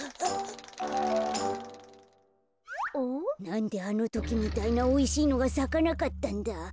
なんであのときみたいなおいしいのがさかなかったんだ。